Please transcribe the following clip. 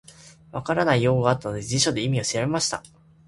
分からない用語があったので、辞書で意味を調べました。